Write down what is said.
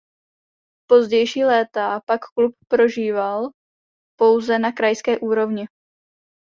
Pozdější léta pak klub prožíval pouze na krajské úrovni.